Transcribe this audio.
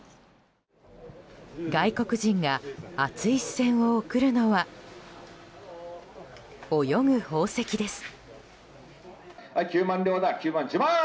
外国人が熱い視線を送るのは泳ぐ宝石です。